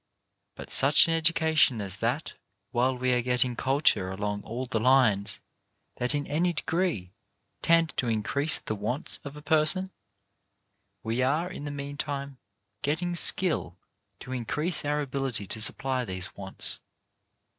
By such an edu cation as that, while we are getting culture along all the lines that in any degree tend to increase the wants of a person, we are, in the meantime, getting skill to increase our ability to supply these wants.